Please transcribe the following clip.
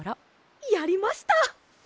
やりました！